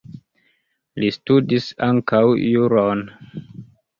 Li studis ankaŭ juron.